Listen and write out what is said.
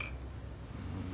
うん。